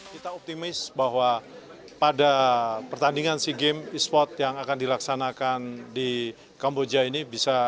kita optimis bahwa pada pertandingan sea games esports yang akan dilaksanakan di kamboja ini